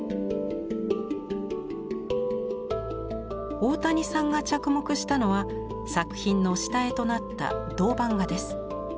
大谷さんが着目したのは作品の下絵となった銅版画です。